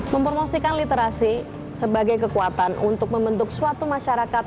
mempromosikan literasi sebagai kekuatan untuk membentuk suatu masyarakat